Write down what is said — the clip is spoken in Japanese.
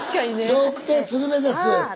笑福亭鶴瓶です。